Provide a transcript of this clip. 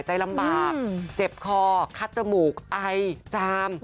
เจ็บคอคัดจมูกไอจาม